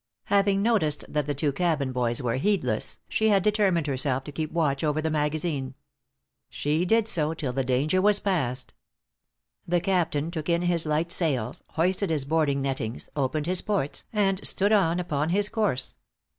Having noticed that the two cabin boys were heedless, she had determined herself to keep watch over the magazine. She did so till the danger was past. The captain took in his light sails, hoisted his boarding nettings, opened his ports, and stood on upon his course.